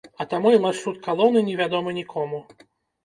А таму і маршрут калоны не вядомы нікому.